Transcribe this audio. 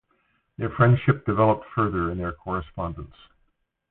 The friendship developed further in their correspondence.